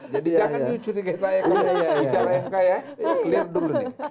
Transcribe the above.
jadi jangan dicurigi saya kalau bicara mk ya clear dulu nih